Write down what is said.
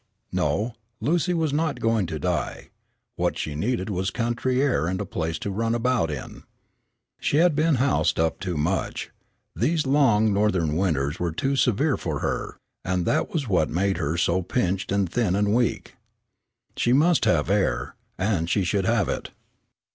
No, Lucy was not going to die. What she needed was country air and a place to run about in. She had been housed up too much; these long Northern winters were too severe for her, and that was what made her so pinched and thin and weak. She must have air, and she should have it.